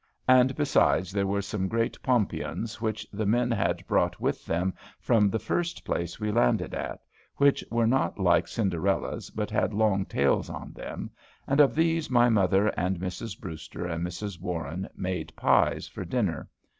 And besides, there were some great pompions which the men had brought with them from the first place we landed at, which were not like Cinderella's, but had long tails to them, and of these my mother and Mrs. Brewster and Mrs. Warren, made pies for dinner.